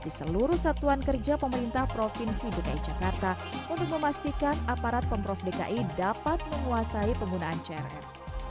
di seluruh satuan kerja pemerintah provinsi dki jakarta untuk memastikan aparat pemprov dki dapat menguasai penggunaan crm